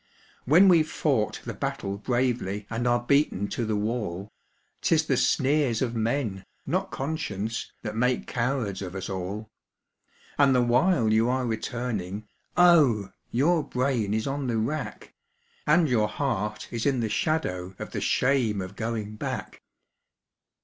When we've fought the battle bravely and are beaten to the wall, 'Tis the sneers of men, not conscience, that make cowards of us all; And the while you are returning, oh! your brain is on the rack, And your heart is in the shadow of the shame of going back.